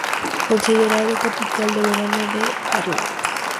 Considerado capital de verano de Tarlac.